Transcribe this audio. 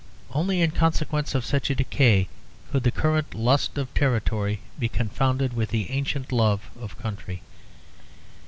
Only in consequence of such a decay could the current lust of territory be confounded with the ancient love of country.